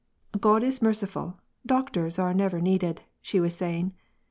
"God is merciful ; dokhtors are never needed," she was say ing.